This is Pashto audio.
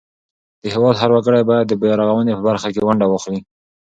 د هیواد هر وګړی باید د بیارغونې په برخه کې ونډه واخلي.